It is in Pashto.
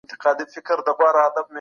خوست ولس مېلمه پال دی.